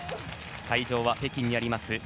会場は北京にあります